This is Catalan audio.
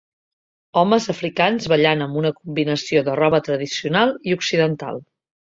Homes africans ballant amb una combinació de roba tradicional i occidental.